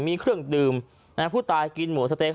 มีเครื่องดื่มผู้ตายกินหมูสะเต๊ก